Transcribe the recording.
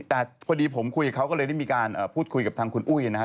แต่พอดีผมคุยกับเขาก็เลยได้มีการพูดคุยกับทางคุณอุ้ยนะครับ